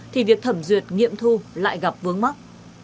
thì việc thẩm duyệt nghiệm thu lại gặp vướng mắt